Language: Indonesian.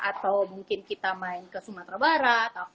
atau mungkin kita main ke sumatera barat